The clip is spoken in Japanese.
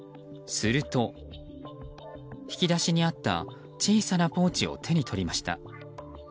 すると、引き出しにあった小さなポーチを手に取りました。